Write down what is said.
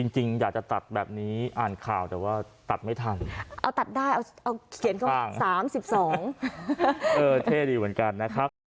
จริงอยากจะตัดแบบนี้อ่านข่าวแต่ว่าตัดไม่ทันเอาตัดได้เอาเขียนเขา๓๒เท่ดีเหมือนกันนะครับ